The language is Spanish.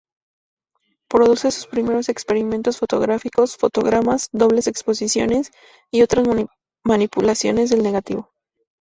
Produce sus primeros experimentos fotográficos: fotogramas, dobles exposiciones y otras manipulaciones del negativo.